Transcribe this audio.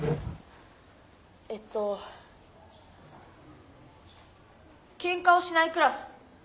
えっと「ケンカをしないクラス」。